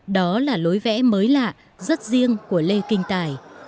đó là lối vẽ mới lạ rất riêng của lê kinh tài